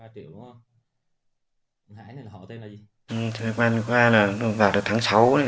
thời gian qua là vào tháng sáu